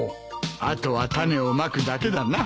あとは種をまくだけだな。